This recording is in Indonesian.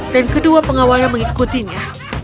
dan kedua pengawalnya mengikutinya